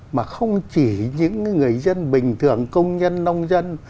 mà không chỉ những người dân bình thường công nhân nông dân